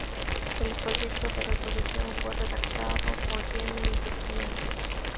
El proyecto de resolución fue redactado por Yemen y Turquía.